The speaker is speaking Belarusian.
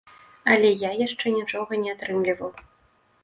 Але я яшчэ нічога не атрымліваў.